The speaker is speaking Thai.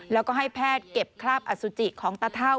แล้วก็ให้แพทย์เก็บคราบอสุจิของตาเท่า